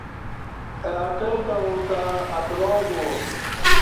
اہ اٹل کعو تہ اَتلا گوا